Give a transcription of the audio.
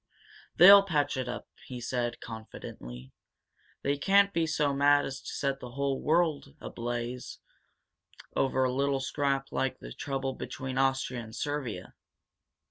"They'll patch it up," he said, confidently. "They can't be so mad as to set the whole world ablaze over a little scrap like the trouble between Austria and Servia."